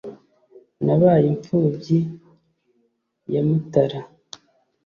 Nabaye imfubyi ya Mutara